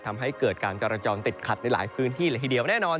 ทำให้เกิดการจรจรติดขัดในหลายพื้นที่เลยทีเดียวแน่นอน